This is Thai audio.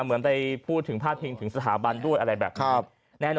เหมือนไปพูดถึงพาดพิงถึงสถาบันด้วยอะไรแบบนี้